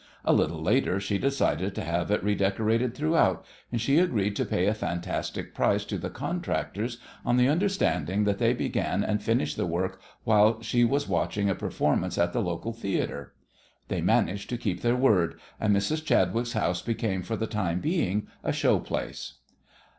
A little later she decided to have it redecorated throughout, and she agreed to pay a fantastic price to the contractors on the understanding that they began and finished the work while she was watching a performance at the local theatre! They managed to keep their word, and Mrs. Chadwick's house became for the time being a show place.